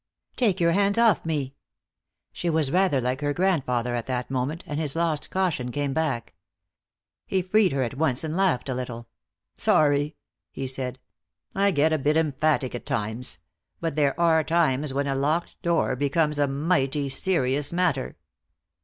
"Take your hands off me!" She was rather like her grandfather at that moment, and his lost caution came back. He freed her at once and laughed a little. "Sorry!" he said. "I get a bit emphatic at times. But there are times when a locked door becomes a mighty serious matter."